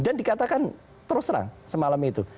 dan dikatakan terus terang semalam itu